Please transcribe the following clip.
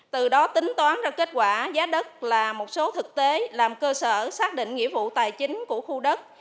từ đó tính toán ra kết quả giá đất là một số thực tế làm cơ sở xác định nghĩa vụ tài chính của khu đất